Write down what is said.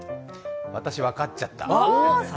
私、分かっちゃった。